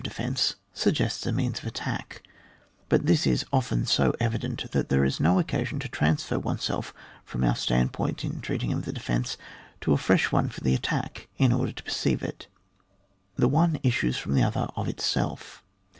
defence suggests a means of attack ; but this is often so evident, that there is no occasion to transfer oneself from our standpoint in treating of the defence to a fresh one for the attack, in order to perceive it; the one issues from the other of itself.